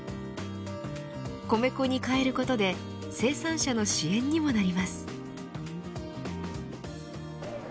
米粉に変えることで生産者の支援にもなります。